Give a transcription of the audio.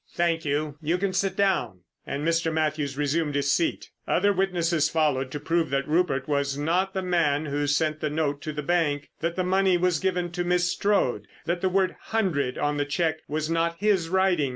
"Thank you; you can sit down!" And Mr. Mathews resumed his seat. Other witnesses followed to prove that Rupert was not the man who sent the note to the bank; that the money was given to Miss Strode; that the word "hundred" on the cheque was not his writing.